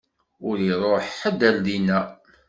Ur iṛuḥ ḥedd ar dina.